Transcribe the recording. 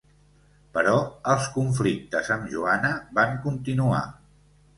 Però els conflictes amb Joana van continuar.